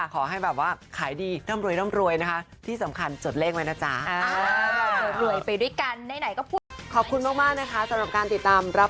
ขอบกล่าวขอบพระคุณด้วยนะคะ